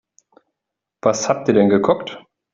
Was habt ihr denn geguckt?